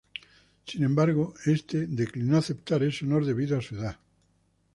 Sin embargo, este declinó aceptar ese honor debido a su edad.